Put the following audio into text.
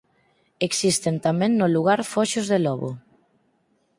Existen tamén no lugar foxos de lobo.